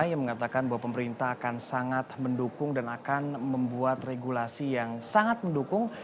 yang mengatakan bahwa pemerintah akan sangat mendukung dan akan membuat regulasi yang sangat mendukung